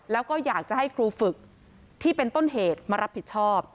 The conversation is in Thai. แล้วก็อยากจะให้ครูฝึกที่เป็นต้นเหตุมารับผิดชอบ